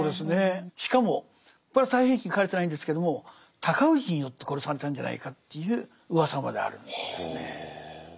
しかもこれは「太平記」に書かれてないんですけども尊氏によって殺されたんじゃないかといううわさまであるんですね。は。